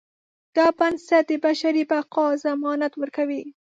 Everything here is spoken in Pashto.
دا بنسټ د بشري بقا ضمانت ورکوي.